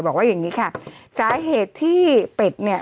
อย่างนี้ค่ะสาเหตุที่เป็ดเนี่ย